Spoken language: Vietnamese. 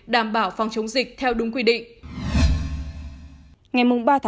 đảm bảo phòng chống dịch theo đúng quy định